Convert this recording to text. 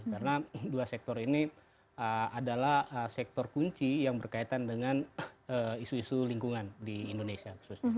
karena dua sektor ini adalah sektor kunci yang berkaitan dengan isu isu lingkungan di indonesia